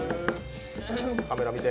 カメラを見て。